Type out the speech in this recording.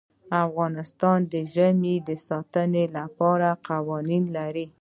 افغانستان د ژمی د ساتنې لپاره قوانین لري.